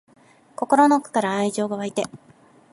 心の奥から愛情が湧いて